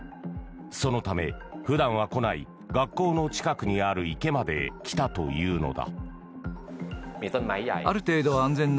そのため、普段は来ない学校の近くにある池まで来たというのだ。